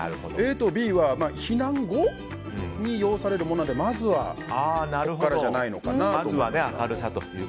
ＡとＢは避難後に要されるものなのでまずはここからじゃないのかなと。